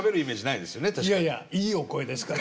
いやいやいいお声ですから。